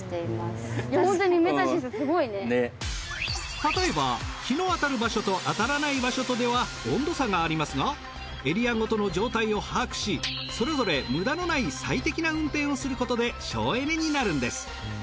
例えば日の当たる場所と当たらない場所とでは温度差がありますがエリアごとの状態を把握しそれぞれ無駄のない最適な運転をすることで省エネになるんです。